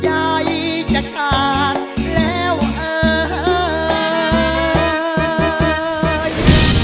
ใหญ่จะขาดแล้วเอ่ย